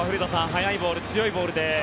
速いボール、強いボールで。